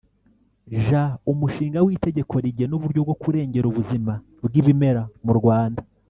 j) Umushinga w’Itegeko rigena uburyo bwo kurengera ubuzima bw’ibimera mu Rwanda ;